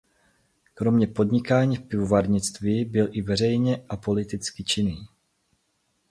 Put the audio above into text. Kromě podnikání v pivovarnictví byl i veřejně a politicky činný.